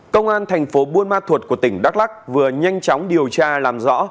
công an thành phố buôn ma thuột của tỉnh đắk lắc vừa nhanh chóng điều tra làm rõ